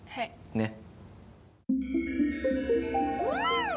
ねっ。